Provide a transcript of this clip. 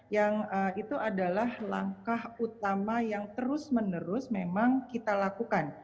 yang itu adalah langkah utama yang terus menerus memang kita lakukan